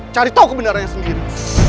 cari tahu kebenarannya sendiri